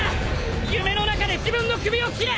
夢の中で自分の首を斬れ！